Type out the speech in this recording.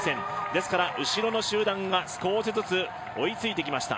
ですから、後ろの集団が少しずつ追いついてきました。